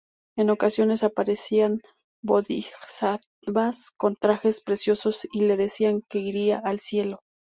En ocasiones aparecían Bodhisattvas con trajes preciosos y le decía que iría al cielo.